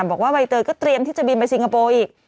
บอกว่าใบเตยก็เตรียมที่จะบินไปสิงคโปร์อีก